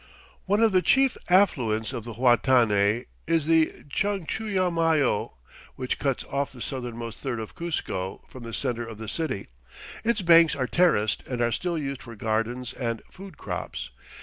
One of the chief affluents of the Huatanay is the Chunchullumayo, which cuts off the southernmost third of Cuzco from the center of the city. Its banks are terraced and are still used for gardens and food crops.